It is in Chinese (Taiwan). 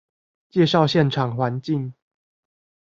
介紹現場環境